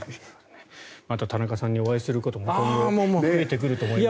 また田中さんにお会いすることも今後出てくると思いますが。